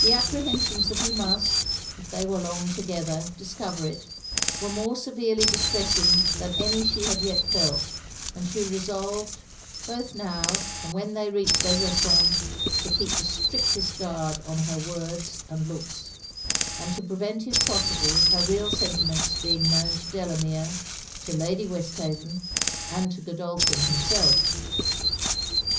The apprehensions that he must, if they were long together, discover it, were more severely distressing than any she had yet felt; and she resolved, both now and when they reached Besançon, to keep the strictest guard on her words and looks; and to prevent if possible her real sentiments being known to Delamere, to Lady Westhaven, and to Godolphin himself.